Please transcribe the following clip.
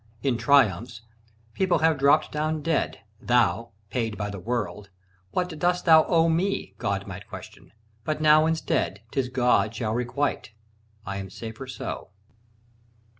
In triumphs, people have dropped down dead. "Thou, paid by the World, what dost thou owe Me?" God might question: but now instead, 'Tis God shall requite! I am safer so.